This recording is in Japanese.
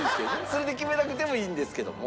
それで決めなくてもいいんですけども。